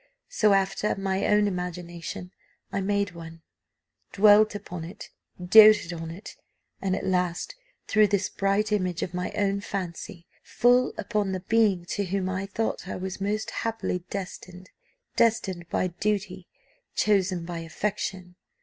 So after my own imagination I made one, dwelt upon it, doated on it, and at last threw this bright image of my own fancy full upon the being to whom I thought I was most happily destined destined by duty, chosen by affection.